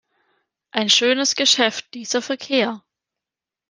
Ein schönes Geschäft, dieser Verkehr!